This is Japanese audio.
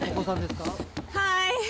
はい。